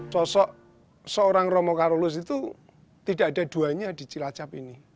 sosok seorang romo karolus itu tidak ada duanya di cilacap ini